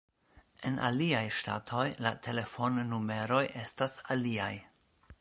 En aliaj ŝtatoj la telefonnumeroj estas aliaj.